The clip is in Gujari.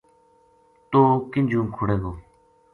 توہ کینجو کھوڑے گو